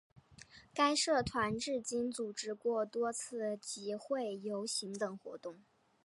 该社团至今组织过多次集会游行等活动。